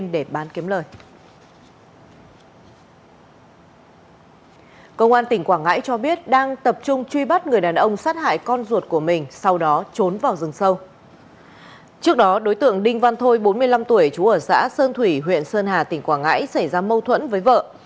đinh văn thôi bốn mươi năm tuổi trú ở xã sơn thủy huyện sơn hà tỉnh quảng ngãi xảy ra mâu thuẫn với vợ